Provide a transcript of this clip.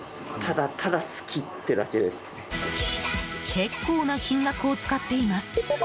結構な金額を使っています。